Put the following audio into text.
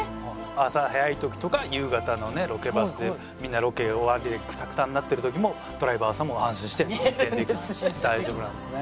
朝早い時とか夕方のねロケバスでみんなロケ終わりでクタクタになってる時もドライバーさんも安心して運転できますし大丈夫なんですね。